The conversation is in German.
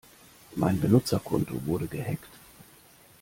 Mein Benutzerkonto wurde gehackt.